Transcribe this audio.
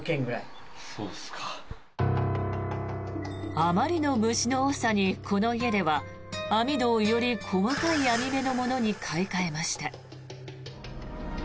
あまりの虫の多さにこの家では網戸をより細かい網目のものに買い替えました。